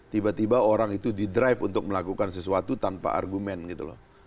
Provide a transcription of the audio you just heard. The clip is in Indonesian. tiba tiba orang itu di drive untuk melakukan sesuatu tanpa argumen gitu loh